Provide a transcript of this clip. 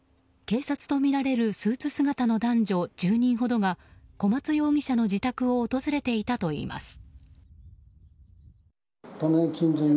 警察とみられるスーツ姿の男女１０人ほどが小松容疑者の自宅を訪れていたといいます。